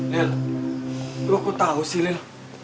lil lo kok tau sih lil